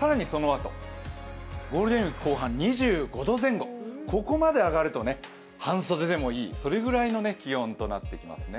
更にそのあとゴールデンウイーク後半２５度前後、ここまで上がると半袖でもいい、それぐらいの気温となってきますね。